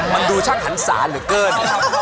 มันดูช่างหันศาเหลือเกิน